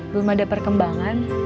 belum ada perkembangan